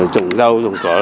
trồng rau trồng cỏ